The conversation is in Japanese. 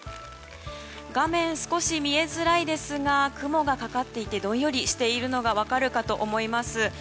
画面、少し見えづらいですが雲がかかっていてどんよりしているのが分かるかと思います。